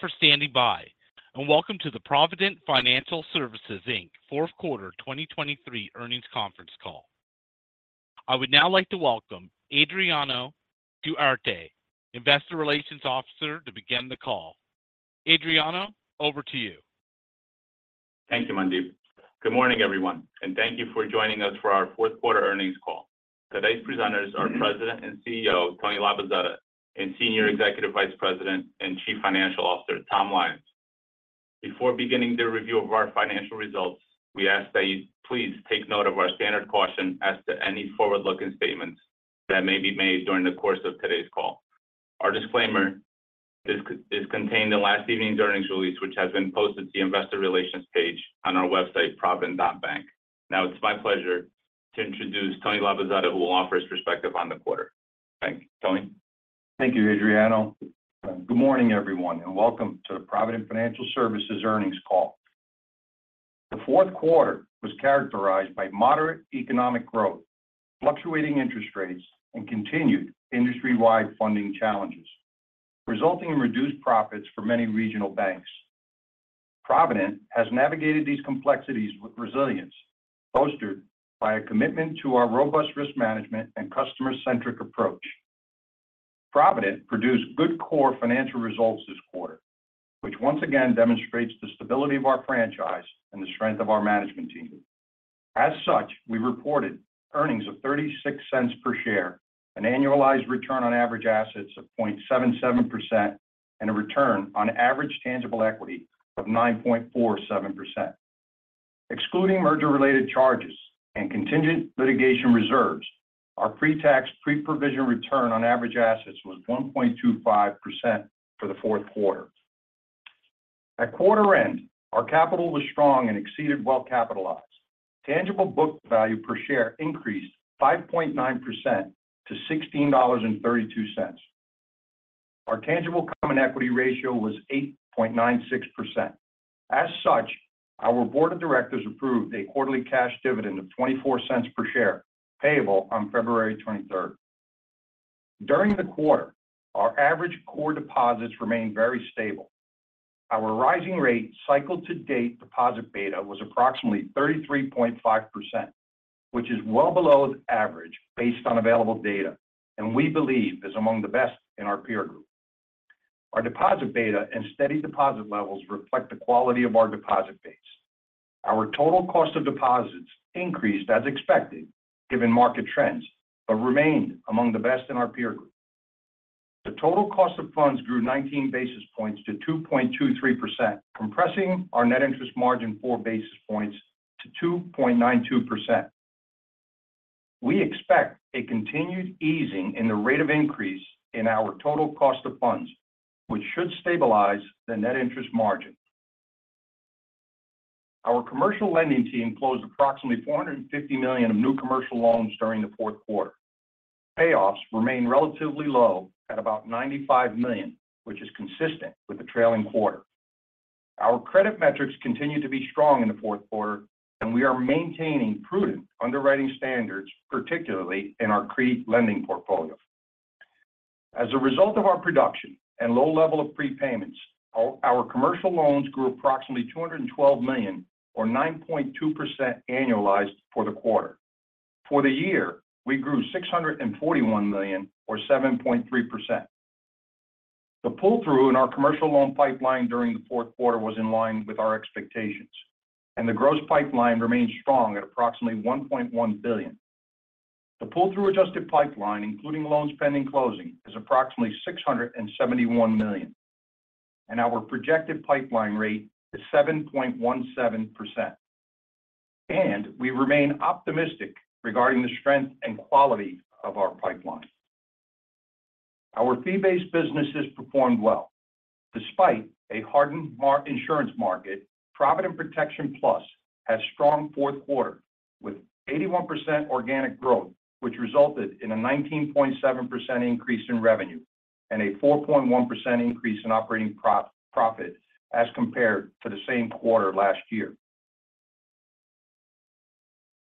Thank you for standing by, and welcome to the Provident Financial Services Inc. Fourth Quarter 2023 earnings conference call. I would now like to welcome Adriano Duarte, Investor Relations Officer, to begin the call. Adriano, over to you. Thank you, Mandeep. Good morning, everyone, and thank you for joining us for our Fourth Quarter earnings call. Today's presenters are President and CEO, Tony Labozzetta, and Senior Executive Vice President and Chief Financial Officer, Tom Lyons. Before beginning the review of our financial results, we ask that you please take note of our standard caution as to any forward-looking statements that may be made during the course of today's call. Our disclaimer is contained in last evening's earnings release, which has been posted to the Investor Relations page on our website, provident.bank. Now, it's my pleasure to introduce Tony Labozzetta, who will offer his perspective on the quarter. Thank you. Tony? Thank you, Adriano. Good morning, everyone, and welcome to Provident Financial Services earnings call. The fourth quarter was characterized by moderate economic growth, fluctuating interest rates, and continued industry-wide funding challenges, resulting in reduced profits for many regional banks. Provident has navigated these complexities with resilience, bolstered by a commitment to our robust risk management and customer-centric approach. Provident produced good core financial results this quarter, which once again demonstrates the stability of our franchise and the strength of our management team. As such, we reported earnings of $0.36 per share, an annualized return on average assets of 0.77%, and a return on average tangible equity of 9.47%. Excluding merger-related charges and contingent litigation reserves, our pre-tax, pre-provision return on average assets was 1.25% for the Fourth Quarter. At quarter end, our capital was strong and exceeded well-capitalized. Tangible book value per share increased 5.9% to $16.32. Our tangible common equity ratio was 8.96%. As such, our board of directors approved a quarterly cash dividend of $0.24 per share, payable on February 23. During the quarter, our average core deposits remained very stable. Our rising rate cycle to date deposit beta was approximately 33.5%, which is well below the average based on available data, and we believe is among the best in our peer group. Our deposit beta and steady deposit levels reflect the quality of our deposit base. Our total cost of deposits increased as expected, given market trends, but remained among the best in our peer group. The total cost of funds grew 19 basis points to 2.23%, compressing our net interest margin 4 basis points to 2.92%. We expect a continued easing in the rate of increase in our total cost of funds, which should stabilize the net interest margin. Our commercial lending team closed approximately $450 million of new commercial loans during the Fourth Quarter. Payoffs remain relatively low at about $95 million, which is consistent with the trailing quarter. Our credit metrics continued to be strong in the Fourth Quarter, and we are maintaining prudent underwriting standards, particularly in our CRE lending portfolio. As a result of our production and low level of prepayments, our commercial loans grew approximately $212 million or 9.2% annualized for the quarter. For the year, we grew $641 million or 7.3%. The pull-through in our commercial loan pipeline during the Fourth Quarter was in line with our expectations, and the gross pipeline remained strong at approximately $1.1 billion. The pull-through adjusted pipeline, including loans pending closing, is approximately $671 million, and our projected pipeline rate is 7.17%. We remain optimistic regarding the strength and quality of our pipeline. Our fee-based businesses performed well. Despite a hardened insurance market, Provident Protection Plus had strong fourth quarter with 81% organic growth, which resulted in a 19.7% increase in revenue and a 4.1% increase in operating profit as compared to the same quarter last year.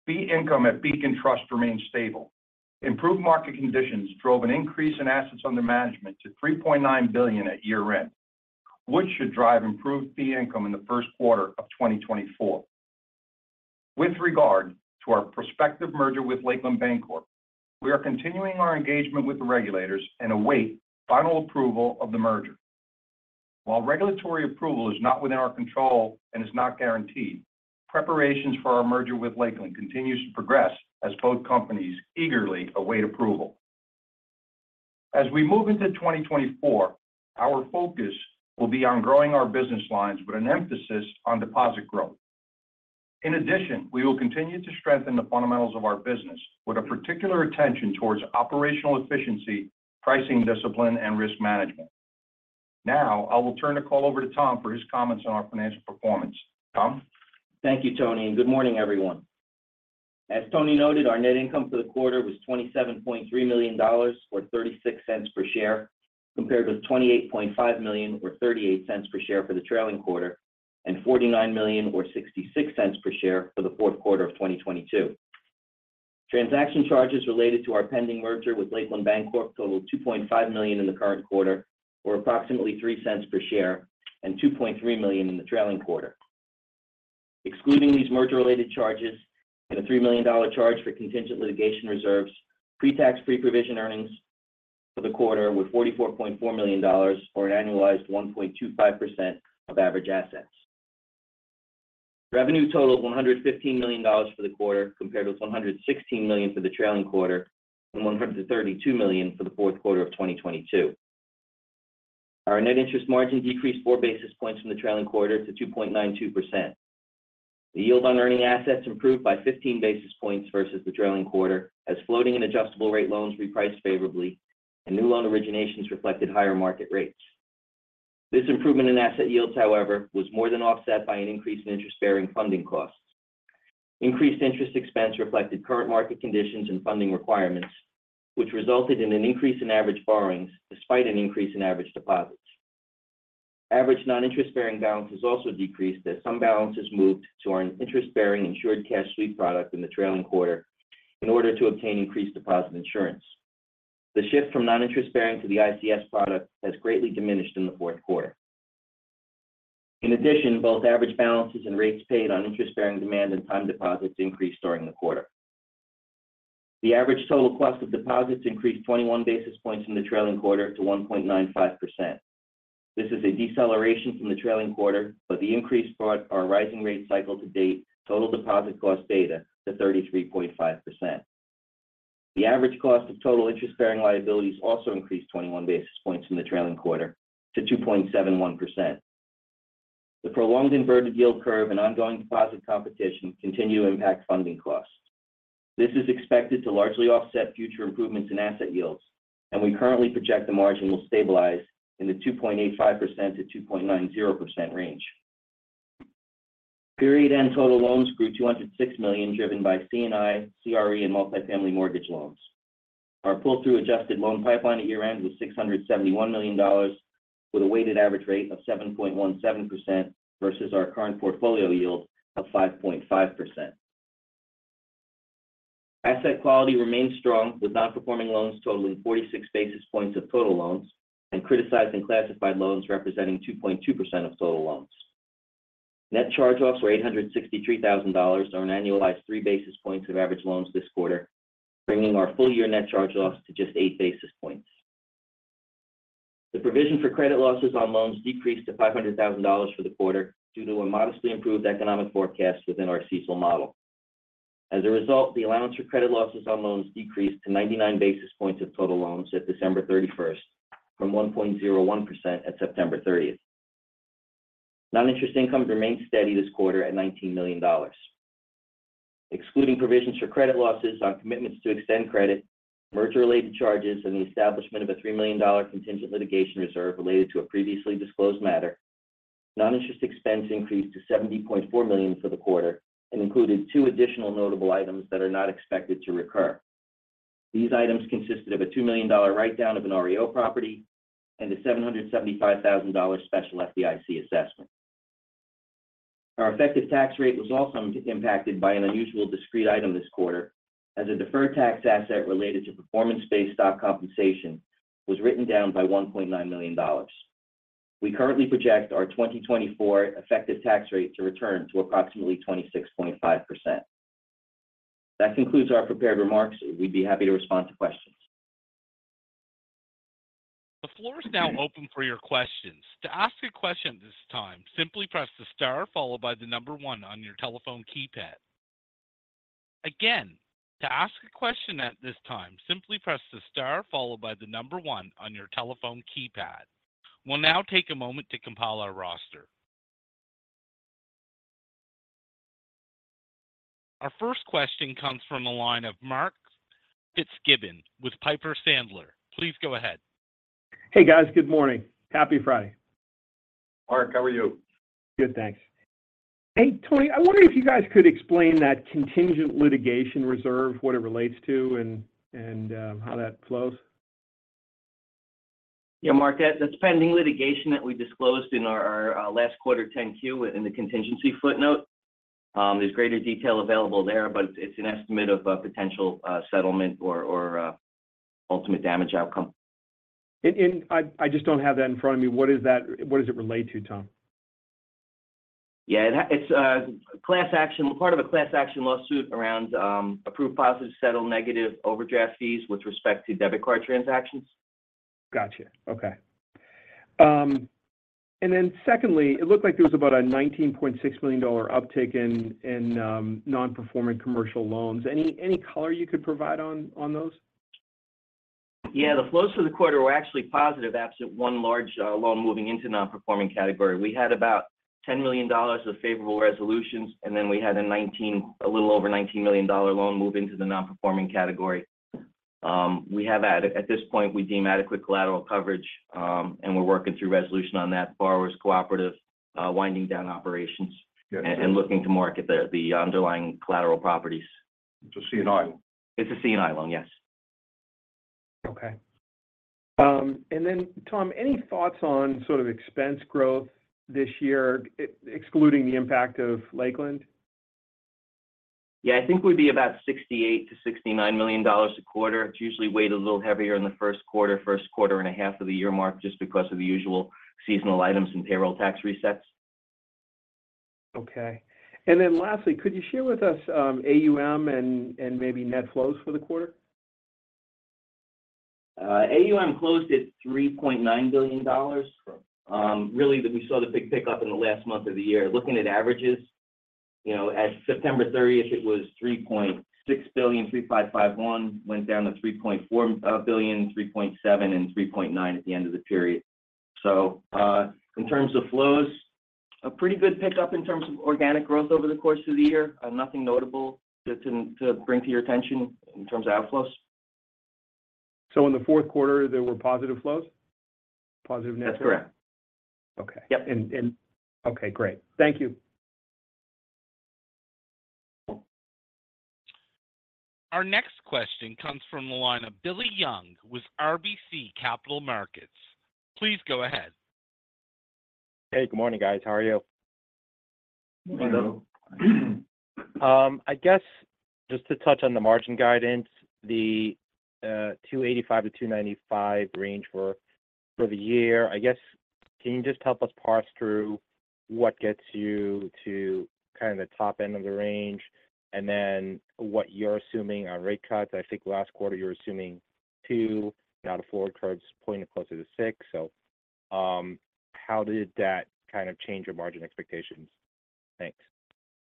Fee income at Beacon Trust remained stable. Improved market conditions drove an increase in assets under management to $3.9 billion at year-end, which should drive improved fee income in the first quarter of 2024. With regard to our prospective merger with Lakeland Bancorp, we are continuing our engagement with the regulators and await final approval of the merger. While regulatory approval is not within our control and is not guaranteed, preparations for our merger with Lakeland continues to progress as both companies eagerly await approval. As we move into 2024, our focus will be on growing our business lines with an emphasis on deposit growth. In addition, we will continue to strengthen the fundamentals of our business with a particular attention towards operational efficiency, pricing discipline, and risk management. Now, I will turn the call over to Tom for his comments on our financial performance. Tom? Thank you, Tony, and good morning, everyone. As Tony noted, our net income for the quarter was $27.3 million or $0.36 per share, compared with $28.5 million or $0.38 per share for the trailing quarter and $49 million or $0.66 per share for the fourth quarter of 2022. Transaction charges related to our pending merger with Lakeland Bancorp totaled $2.5 million in the current quarter, or approximately $0.03 per share, and $2.3 million in the trailing quarter. Excluding these merger-related charges and a $3 million charge for contingent litigation reserves, pre-tax, pre-provision earnings for the quarter were $44.4 million, or an annualized 1.25% of average assets. Revenue totaled $115 million for the quarter, compared with $116 million for the trailing quarter and $132 million for the fourth quarter of 2022. Our net interest margin decreased 4 basis points from the trailing quarter to 2.92%. The yield on earning assets improved by 15 basis points versus the trailing quarter, as floating and adjustable rate loans repriced favorably and new loan originations reflected higher market rates. This improvement in asset yields, however, was more than offset by an increase in interest-bearing funding costs. Increased interest expense reflected current market conditions and funding requirements, which resulted in an increase in average borrowings despite an increase in average deposits. Average non-interest-bearing balances also decreased as some balances moved to our interest-bearing Insured Cash Sweep product in the trailing quarter in order to obtain increased deposit insurance. The shift from non-interest bearing to the ICS product has greatly diminished in the fourth quarter. In addition, both average balances and rates paid on interest-bearing demand and time deposits increased during the quarter. The average total cost of deposits increased 21 basis points from the trailing quarter to 1.95%. This is a deceleration from the trailing quarter, but the increase brought our rising rate cycle to date total deposit cost data to 33.5%. The average cost of total interest-bearing liabilities also increased 21 basis points from the trailing quarter to 2.71%. The prolonged inverted yield curve and ongoing deposit competition continue to impact funding costs. This is expected to largely offset future improvements in asset yields, and we currently project the margin will stabilize in the 2.85%-2.90% range. Period-end total loans grew $206 million, driven by C&I, CRE, and multifamily mortgage loans. Our pull-through adjusted loan pipeline at year-end was $671 million, with a weighted average rate of 7.17% versus our current portfolio yield of 5.5%. Asset quality remains strong, with non-performing loans totaling 46 basis points of total loans and criticized and classified loans representing 2.2% of total loans. Net charge-offs were $863,000 on an annualized three basis points of average loans this quarter, bringing our full-year net charge-offs to just eight basis points. The provision for credit losses on loans decreased to $500,000 for the quarter due to a modestly improved economic forecast within our CECL model. As a result, the allowance for credit losses on loans decreased to 99 basis points of total loans at December thirty-first, from 1.01% at September thirtieth. Non-interest income remained steady this quarter at $19 million. Excluding provisions for credit losses on commitments to extend credit, merger-related charges, and the establishment of a $3 million contingent litigation reserve related to a previously disclosed matter, non-interest expense increased to $70.4 million for the quarter and included two additional notable items that are not expected to recur. These items consisted of a $2 million write-down of an REO property and a $775,000 special FDIC assessment. Our effective tax rate was also impacted by an unusual discrete item this quarter, as a deferred tax asset related to performance-based stock compensation was written down by $1.9 million. We currently project our 2024 effective tax rate to return to approximately 26.5%. That concludes our prepared remarks. We'd be happy to respond to questions. The floor is now open for your questions. To ask a question at this time, simply press the star followed by the number 1 on your telephone keypad. Again, to ask a question at this time, simply press the star followed by the number one on your telephone keypad. We'll now take a moment to compile our roster. Our first question comes from the line of Mark Fitzgibbon with Piper Sandler. Please go ahead. Hey, guys. Good morning. Happy Friday. Mark, how are you? Good, thanks. Hey, Tony, I wonder if you guys could explain that contingent litigation reserve, what it relates to and how that flows? Yeah, Mark, that's pending litigation that we disclosed in our last quarter 10-Q in the contingency footnote. There's greater detail available there, but it's an estimate of a potential settlement or ultimate damage outcome. I just don't have that in front of me. What does it relate to, Tom? Yeah, it's a class action, part of a class action lawsuit around approved policies to settle negative overdraft fees with respect to debit card transactions. Gotcha. Okay. And then secondly, it looked like there was about a $19.6 million uptick in non-performing commercial loans. Any color you could provide on those? Yeah, the flows for the quarter were actually positive, absent one large loan moving into non-performing category. We had about $10 million of favorable resolutions, and then we had a little over $19 million loan move into the non-performing category. We have at this point we deem adequate collateral coverage, and we're working through resolution on that borrower's cooperative winding down operations- Got it. and looking to market the underlying collateral properties. It's a C&I? It's a C&I loan, yes. Okay. And then Tom, any thoughts on sort of expense growth this year, excluding the impact of Lakeland? Yeah, I think we'd be about $68 million-$69 million a quarter. It's usually weighted a little heavier in the first quarter, first quarter and a half of the year mark, just because of the usual seasonal items and payroll tax resets. Okay. And then lastly, could you share with us, AUM and maybe net flows for the quarter? AUM closed at $3.9 billion. Sure. Really, we saw the big pickup in the last month of the year. Looking at averages, you know, at September 30th, it was $3.6551 billion, went down to $3.4 billion, $3.7 billion and $3.9 billion at the end of the period. So, in terms of flows, a pretty good pickup in terms of organic growth over the course of the year. Nothing notable to bring to your attention in terms of outflows. In the Fourth Quarter, there were positive flows? Positive net flows. That's correct. Okay. Yep. Okay, great. Thank you. Our next question comes from the line of Billy Young with RBC Capital Markets. Please go ahead. Hey, good morning, guys. How are you? Morning. Hello. I guess just to touch on the margin guidance, the 2.85-2.95 range for the year. I guess, can you just help us parse through what gets you to kind of the top end of the range, and then what you're assuming on rate cuts? I think last quarter you were assuming two, now the forward curve's pointing closer to six. So, how did that kind of change your margin expectations? Thanks.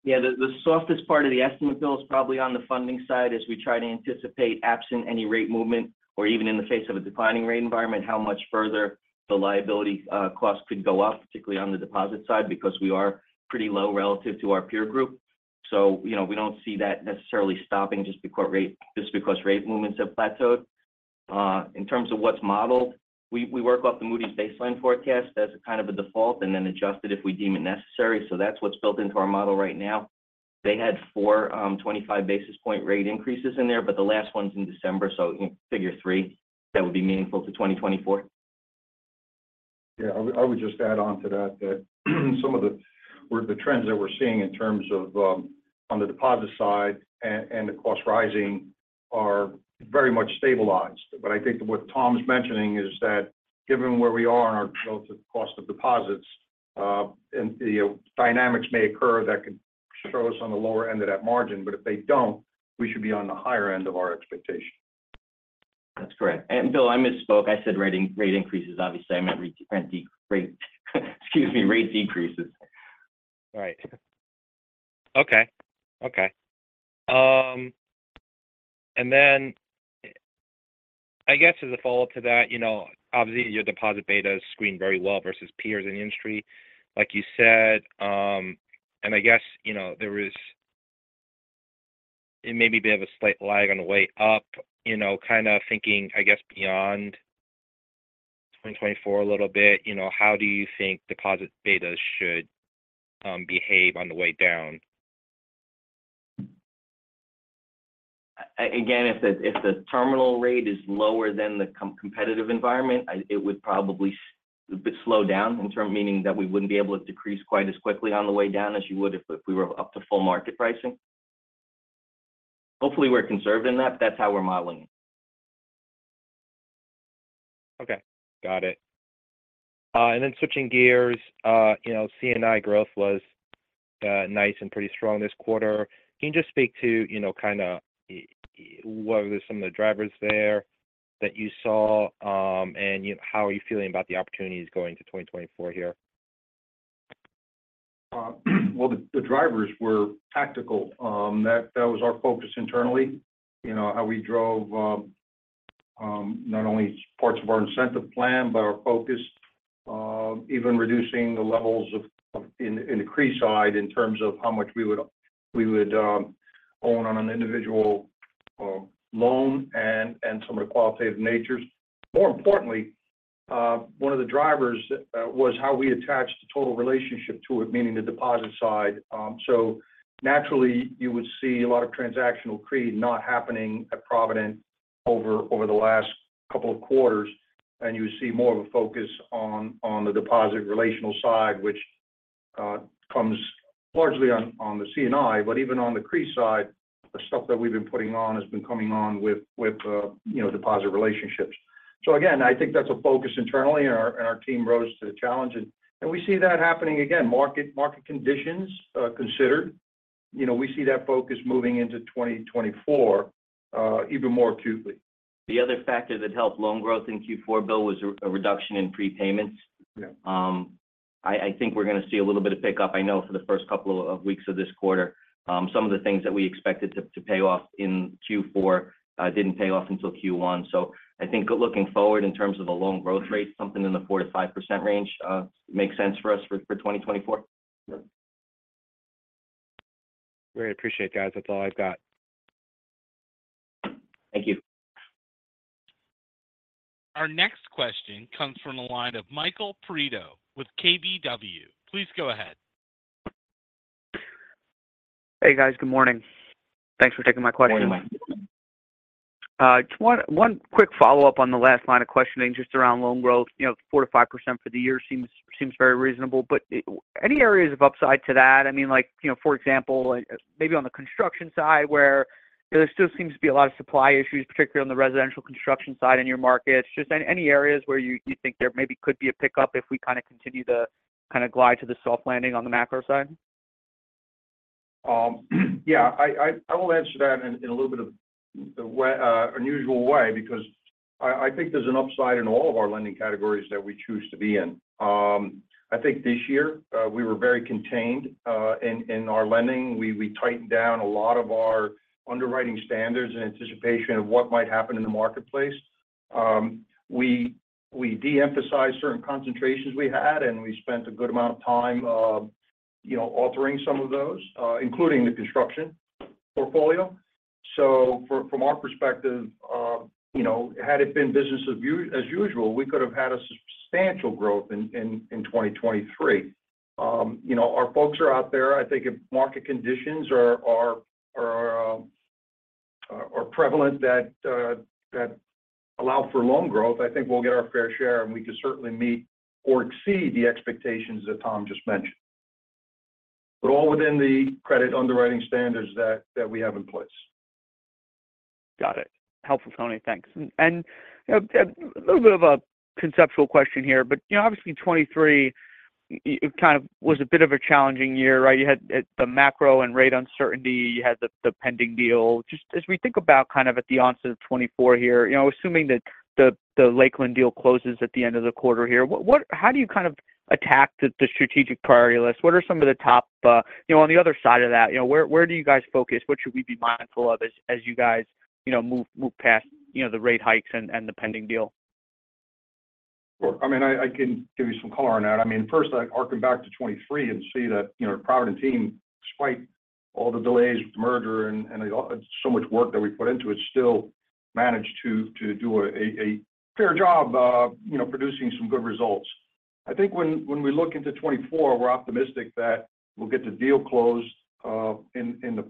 Yeah, the softest part of the estimate, Bill, is probably on the funding side as we try to anticipate, absent any rate movement or even in the face of a declining rate environment, how much further the liability cost could go up, particularly on the deposit side, because we are pretty low relative to our peer group. So, you know, we don't see that necessarily stopping just because rate movements have plateaued. In terms of what's modeled, we work off the Moody's baseline forecast as a kind of a default and then adjust it if we deem it necessary. So that's what's built into our model right now. They had four 25 basis point rate increases in there, but the last one's in December, so figure three, that would be meaningful to 2024. Yeah, I would, I would just add on to that, that some of the, the trends that we're seeing in terms of, on the deposit side and, and the cost rising are very much stabilized. But I think what Tom's mentioning is that given where we are in our relative cost of deposits, and, you know, dynamics may occur that could show us on the lower end of that margin, but if they don't, we should be on the higher end of our expectation. That's correct. Bill, I misspoke. I said rate increases. Obviously, I meant rate decreases. Right. Okay, okay. And then I guess as a follow-up to that, you know, obviously, your deposit beta is screened very well versus peers in the industry. Like you said, and I guess, you know, there is, it may be a bit of a slight lag on the way up, you know, kind of thinking, I guess beyond 2024 a little bit, you know, how do you think deposit betas should behave on the way down? Again, if the terminal rate is lower than the competitive environment, it would probably slow down in terms, meaning that we wouldn't be able to decrease quite as quickly on the way down as you would if we were up to full market pricing. Hopefully, we're conservative in that. That's how we're modeling it. Okay, got it. And then switching gears, you know, C&I growth was nice and pretty strong this quarter. Can you just speak to, you know, kind of, what were some of the drivers there that you saw? And how are you feeling about the opportunities going to 2024 here? Well, the drivers were tactical. That was our focus internally. You know, how we drove not only parts of our incentive plan, but our focus, even reducing the levels of in the CRE side, in terms of how much we would own on an individual loan and some of the qualitative natures. More importantly, one of the drivers was how we attached the total relationship to it, meaning the deposit side. So naturally, you would see a lot of transactional CRE not happening at Provident over the last couple of quarters, and you see more of a focus on the deposit relational side, which comes largely on the C&I. But even on the CRE side, the stuff that we've been putting on has been coming on with, you know, deposit relationships. So again, I think that's a focus internally, and our team rose to the challenge. And we see that happening again. Market conditions, considered, you know, we see that focus moving into 2024, even more acutely. The other factor that helped loan growth in Q4, Bill, was a reduction in prepayments. Yeah. I think we're going to see a little bit of pickup. I know for the first couple of weeks of this quarter, some of the things that we expected to pay off in Q4, didn't pay off until Q1. So I think looking forward in terms of the loan growth rate, something in the 4%-5% range makes sense for us for 2024. Yeah. Great. Appreciate it, guys. That's all I've got. Thank you. Our next question comes from the line of Michael Perito with KBW. Please go ahead. Hey, guys. Good morning. Thanks for taking my question. Good morning. Just one quick follow-up on the last line of questioning, just around loan growth. You know, 4%-5% for the year seems very reasonable, but any areas of upside to that? I mean, like, you know, for example, like, maybe on the construction side, where there still seems to be a lot of supply issues, particularly on the residential construction side in your markets. Just any areas where you think there maybe could be a pickup if we kind of continue to kind of glide to the soft landing on the macro side? Yeah. I will answer that in a little bit of the unusual way, because I think there's an upside in all of our lending categories that we choose to be in. I think this year, we were very contained in our lending. We tightened down a lot of our underwriting standards in anticipation of what might happen in the marketplace. We de-emphasized certain concentrations we had, and we spent a good amount of time, you know, altering some of those, including the construction portfolio. So from our perspective, you know, had it been business as usual, we could have had a substantial growth in 2023. You know, our folks are out there. I think if market conditions are prevalent that allow for loan growth, I think we'll get our fair share, and we can certainly meet or exceed the expectations that Tom just mentioned. But all within the credit underwriting standards that we have in place. Got it. Helpful, Tony. Thanks. And a little bit of a conceptual question here, but you know, obviously, 2023 it kind of was a bit of a challenging year, right? You had the macro and rate uncertainty. You had the pending deal. Just as we think about kind of at the onset of 2024 here, you know, assuming that the Lakeland deal closes at the end of the quarter here, what-- how do you kind of attack the strategic priority list? What are some of the top... You know, on the other side of that, you know, where do you guys focus? What should we be mindful of as you guys you know move past you know the rate hikes and the pending deal? Sure. I mean, I can give you some color on that. I mean, first, I take them back to 2023 and see that, you know, Provident team, despite all the delays with the merger and so much work that we put into it, still managed to do a fair job, you know, producing some good results. I think when we look into 2024, we're optimistic that we'll get the deal closed, in the...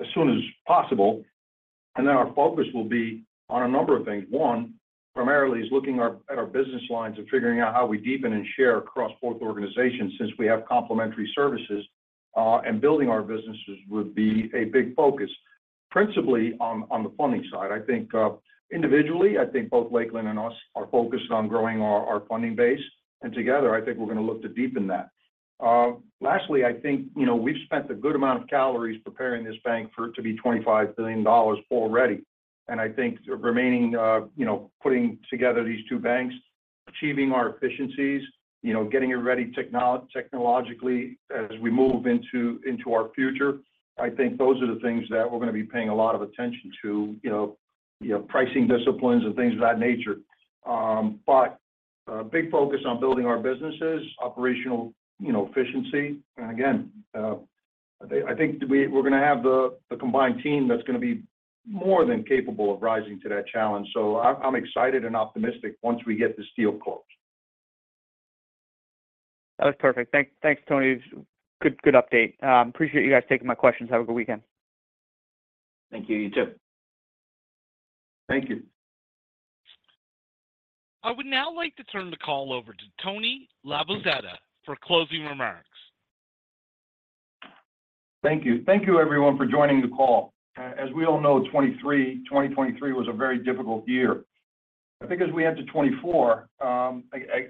as soon as possible. And then our focus will be on a number of things. One, primarily, is looking at our business lines and figuring out how we deepen and share across both organizations, since we have complementary services. And building our businesses would be a big focus, principally on the funding side. I think, individually, I think both Lakeland and us are focused on growing our funding base, and together, I think we're going to look to deepen that. Lastly, I think, you know, we've spent a good amount of calories preparing this bank for it to be $25 billion already. I think the remaining, you know, putting together these two banks, achieving our efficiencies, you know, getting it ready technologically as we move into our future, I think those are the things that we're going to be paying a lot of attention to. You know, you know, pricing disciplines and things of that nature. But a big focus on building our businesses, operational, you know, efficiency. And again, I think we're going to have the combined team that's going to be more than capable of rising to that challenge. So I'm excited and optimistic once we get this deal closed. That was perfect. Thanks, Tony. Good, good update. Appreciate you guys taking my questions. Have a good weekend. Thank you. You too. Thank you. I would now like to turn the call over to Tony Labozzetta for closing remarks. Thank you. Thank you, everyone, for joining the call. As we all know, 2023 was a very difficult year. I think as we head to 2024,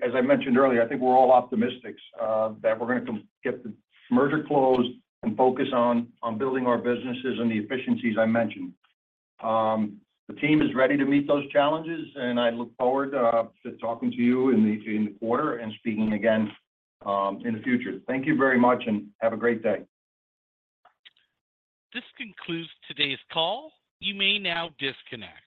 as I mentioned earlier, I think we're all optimistic that we're going to get the merger closed and focus on building our businesses and the efficiencies I mentioned. The team is ready to meet those challenges, and I look forward to talking to you in the quarter and speaking again in the future. Thank you very much, and have a great day. This concludes today's call. You may now disconnect.